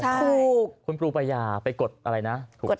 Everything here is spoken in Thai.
ทำโน้มดูก็อย่าไปกดอะไรนะ